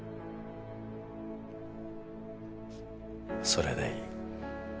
それでいい。